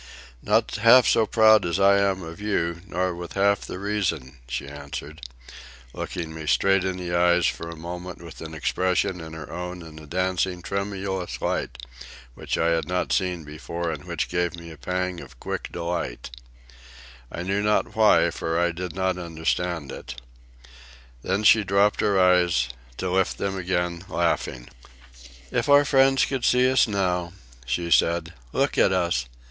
"Not half so proud as I am of you, nor with half the reason," she answered, looking me straight in the eyes for a moment with an expression in her own and a dancing, tremulous light which I had not seen before and which gave me a pang of quick delight, I know not why, for I did not understand it. Then she dropped her eyes, to lift them again, laughing. "If our friends could see us now," she said. "Look at us.